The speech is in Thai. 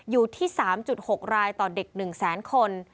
อยู่ที่๓๖รายต่อเด็ก๑แสนคน